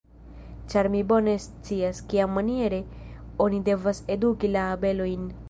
Ĉar mi bone scias, kiamaniere oni devas eduki la abelojn.